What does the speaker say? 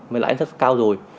với lãi suất cao rồi